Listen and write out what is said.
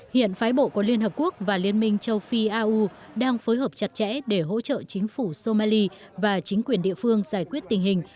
hiện phái bộ của liên hợp quốc và liên minh châu phi au đang phối hợp chặt chẽ để hỗ trợ chính phủ somali và chính quyền địa phương giải quyết tình hình